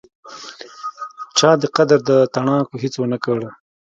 چا دې قدر د تڼاکو هیڅ ونکړ